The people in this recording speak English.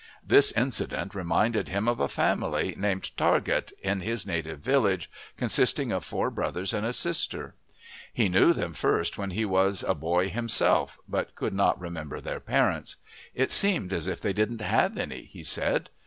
This incident reminded him of a family, named Targett, in his native village, consisting of four brothers and a sister. He knew them first when he was a boy himself, but could not remember their parents. "It seemed as if they didn't have any," he said.